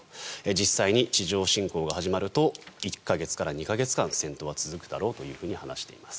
実際に地上侵攻が始まると１か月から２か月間戦闘は続くだろうと話しています。